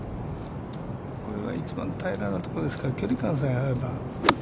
これ一番平らなところですから、距離感さえあえば。